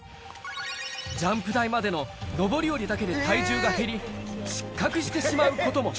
ジャンプ台までの上り下りだけで体重が減り、失格してしまうことも。